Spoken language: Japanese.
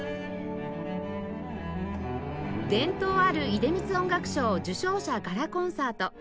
伝統ある出光音楽賞受賞者ガラコンサート